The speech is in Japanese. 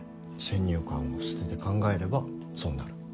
先入観を捨てて考えればそうなる。